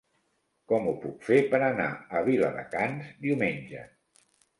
Com ho puc fer per anar a Viladecans diumenge?